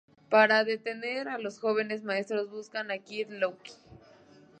Para detener a los Jóvenes Maestros buscan a Kid Loki.